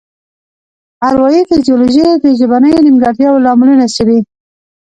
اروايي فزیولوژي د ژبنیو نیمګړتیاوو لاملونه څیړي